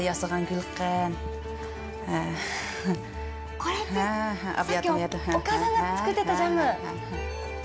これって、さっき、お母さんが作ってたジャム！？